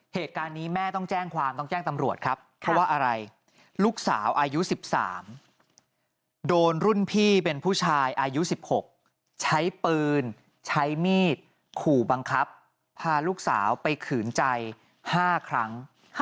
เหตุการณ์นี้แม่ต้องแจ้งความต้องแจ้งตำรวจครับเพราะว่าอะไรลูกสาวอายุ๑๓โดนรุ่นพี่เป็นผู้ชายอายุ๑๖ใช้ปืนใช้มีดขู่บังคับพาลูกสาวไปขืนใจ๕ครั้ง